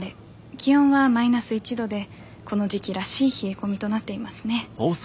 気温はマイナス１度でこの時期らしい冷え込みとなっていますね。